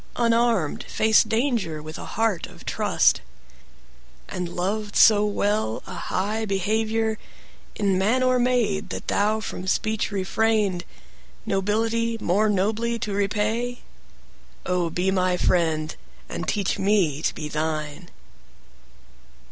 Unarmed, faced danger with a heart of trust? And loved so well a high behavior, In man or maid, that thou from speech refrained, Nobility more nobly to repay?O, be my friend, and teach me to be thine!